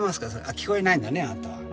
聞こえないんだねあなたは。